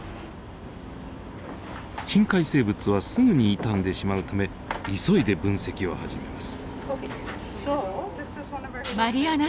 深海生物はすぐに傷んでしまうため急いで分析を始めます。